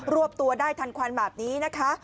วบตัวได้ทันควันแบบนี้นะคะ